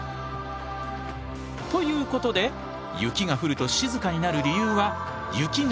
ということで雪が降ると静かになる理由はうわ。